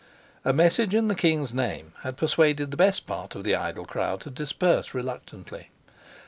A message in the king's name had persuaded the best part of the idle crowd to disperse reluctantly.